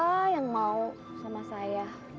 siapa yang mau sama saya